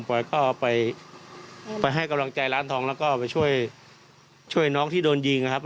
พอยก็ไปให้กำลังใจร้านทองแล้วก็ไปช่วยช่วยน้องที่โดนยิงนะครับ